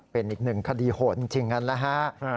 เป็นอีกหนึ่งคดีโหดจริงนั่นแหละฮะ